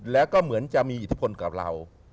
แล้วก็เหมือนจะมีอิทธิพลกับเรา